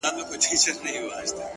ستا شاعري گرانه ستا اوښکو وړې،